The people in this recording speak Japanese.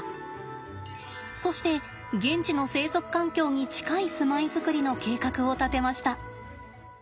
そして現地の生息環境に近い住まい作りの計画を立てました。